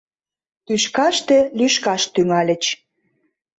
— тӱшкаште лӱшкаш тӱҥальыч.